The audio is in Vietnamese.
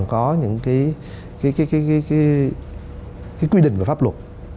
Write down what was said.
có những cái quy định về pháp luật